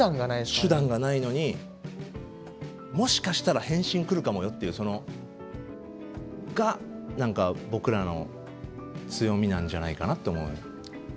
手段がないのにもしかしたら返信来るかもよっていうそのが何か僕らの強みなんじゃないかなと思いますよね。